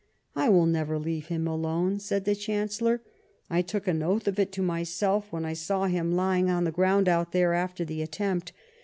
" I will never leave him alone," said the Chan cellor. " I took an oath of it to myself when I saw him lying on the ground out there after the at tempt.